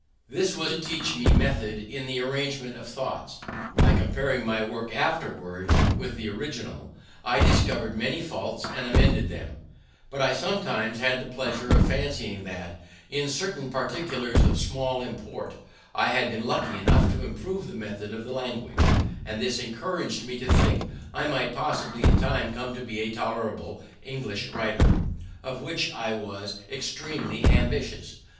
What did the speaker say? This was to teach me method in the arrangement of thoughts. By comparing my work afterwards with the original, I discovered many faults and amended them; but I sometimes had the pleasure of fancying that, in certain particulars of small import, I had been lucky enough to improve the method of the language, and this encouraged me to think I might possibly in time come to be a tolerable English writer, of which I was extremely ambitious.